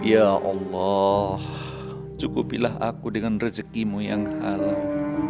ya allah cukupilah aku dengan rezekimu yang halal